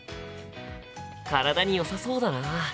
体によさそうだな。